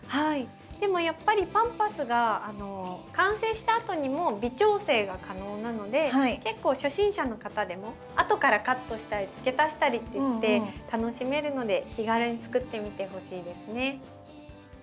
でもやっぱりパンパスが完成したあとにも微調整が可能なので結構初心者の方でも後からカットしたりつけ足したりってして楽しめるので気軽に作ってみてほしいですね。